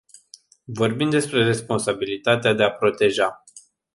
Vorbim despre responsabilitatea de a proteja.